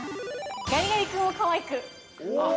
ガリガリ君をかわいく。